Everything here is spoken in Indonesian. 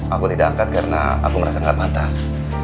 aku tidak angkat karena aku merasa gak pantas